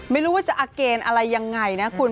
ไม่รู้ว่าจะอาเกณฑ์อะไรยังไงนะคุณ